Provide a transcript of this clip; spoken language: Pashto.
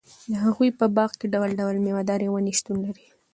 د هغوي په باغ کي ډول٬ډول ميوه داري وني شتون لري